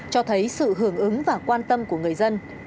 cho thấy sự hưởng ứng và quan tâm của người dân